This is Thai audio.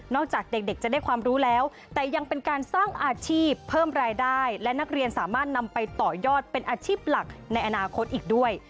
จากเด็กจะได้ความรู้แล้วแต่ยังเป็นการสร้างอาชีพเพิ่มรายได้และนักเรียนสามารถนำไปต่อยอดเป็นอาชีพหลักในอนาคตอีกด้วย